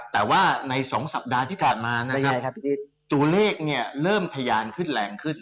แต่ว่าใน๒สัปดาห์ที่ผ่านมานะครับตัวเลขเริ่มทะยานขึ้นแรงขึ้น